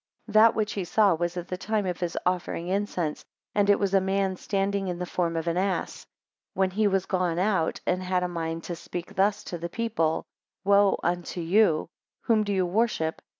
That which he saw was at the time of his offering incense, and it was a man standing in the form of an ass. When he was gone out, and had a mind to speak thus to the people, Woe unto you, whom do you worship?